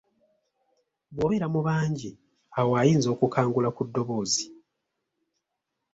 Bw’obeera mu bangi awo ayinza okukangula ku ddoboozi.